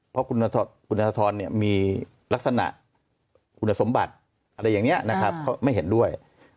เพราะคุณธนทรมีลักษณะคุณสมบัติอะไรอย่างนี้นะครับเขาไม่เห็นด้วย